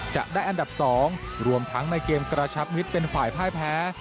จะได้อันดับ๒รวมทั้งในเกมกระชับมิตรเป็นฝ่ายพ่ายแพ้